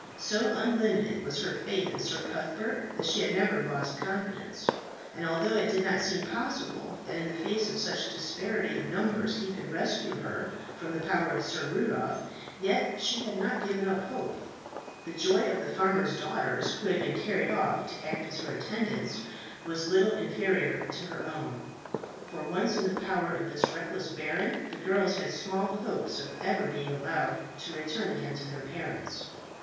So unlimited was her faith in Sir Cuthbert that she had never lost confidence; and although it did not seem possible that in the face of such disparity of numbers he could rescue her from the power of Sir Rudolph, yet she had not given up hope. The joy of the farmers' daughters who had been carried off to act as her attendants was little inferior to her own; for once in the power of this reckless baron, the girls had small hopes of ever being allowed to return again to their parents.